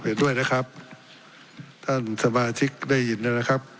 เห็นด้วยนะครับท่านสมาชิกได้ยินนะครับ